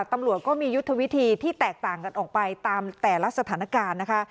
ตำรวจก็มียุทธวิธีที่แตกต่างกันออกไปตามแต่ละสถานการณ์นะคะ